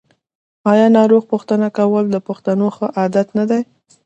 آیا ناروغ پوښتنه کول د پښتنو ښه عادت نه دی؟